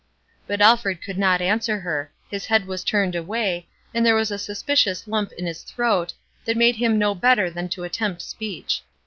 But Alfred could not answer her; his head was turned away, and there was a suspicious lump in his throat, that made him know better than to attempt speech.